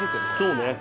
そうね。